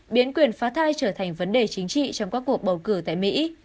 biến quyền phá thai trở thành vấn đề chính trị trong các cuộc bầu cử tại mỹ